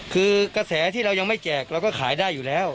คือกระแสที่เรายังไม่แจกเราก็ขายได้อยู่แล้ว